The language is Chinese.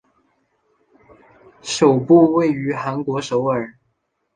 总部位于韩国首尔。